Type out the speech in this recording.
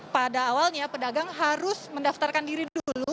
pada awalnya pedagang harus mendaftarkan diri dulu